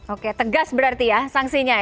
oke tegas berarti ya sanksinya ya